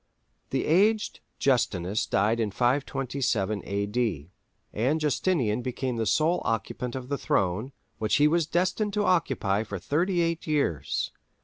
The aged Justinus died in 527 A.D., and Justinian became the sole occupant of the throne, which he was destined to occupy for thirty eight years.